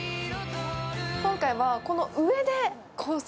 今回は、この上でコース